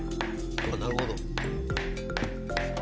なるほど。